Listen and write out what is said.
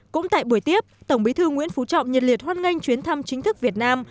cũng tại buổi tiếp tổng bí thư nguyễn phú trọng nhiệt liệt hoan nghênh chuyến thăm chính thức việt nam